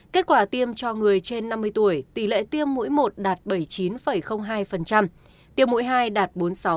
kết quả tiêm cho người trên năm mươi tuổi tỷ lệ tiêm mũi một đạt bảy mươi chín hai tiêm mũi hai đạt bốn mươi sáu